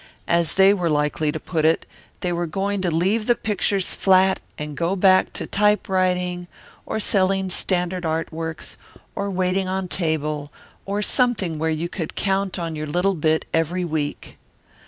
As they were likely to put it, they were going to leave the pictures flat and go back to type writing or selling standard art works or waiting on table or something where you could count on your little bit every week.